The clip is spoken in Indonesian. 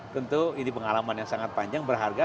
tentu ini pengalaman yang sangat panjang berharga